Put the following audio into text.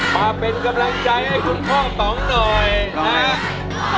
มาเป็นกำลังใจให้คุณพ่อต่องหน่อยนะครับ